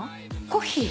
コッヒー？